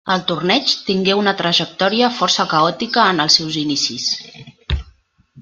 El torneig tingué una trajectòria força caòtica en els seus inicis.